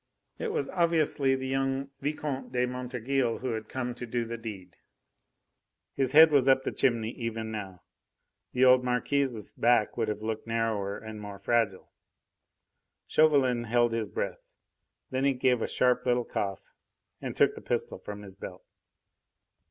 It was obviously the young Vicomte de Montorgueil who had come to do the deed. His head was up the chimney even now. The old Marquis's back would have looked narrower and more fragile. Chauvelin held his breath; then he gave a sharp little cough, and took the pistol from his belt.